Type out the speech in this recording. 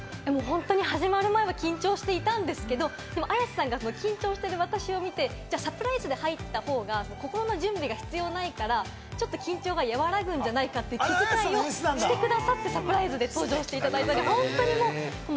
始まる前は緊張していたんですけど、綾瀬さんが緊張してる私を見て、サプライズで入った方が、心の準備が必要ないから、ちょっと緊張が和らぐんじゃないかって気遣いをしてくださって、サプライズで登場していただいたんで。